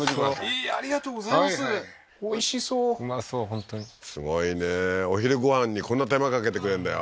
本当にすごいねお昼ご飯にこんな手間かけてくれんだよ